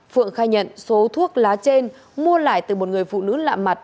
phượng khai nhận số thuốc lá trên mua lại từ một người phụ nữ lạ mặt